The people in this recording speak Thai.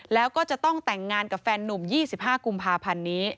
แล้วก็จะต้องแต่งงานกับแฟนนุ่ม๒๕กุมภาพันธ์นี้